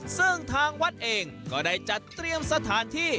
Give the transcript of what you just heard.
ซึ่งทางวัดเองก็ได้จัดเตรียมสถานที่